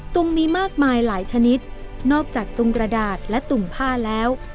ตุงมีมากมายหลายชนิดนอกจากตุงกระดาษและตุ่มผ้าแล้ว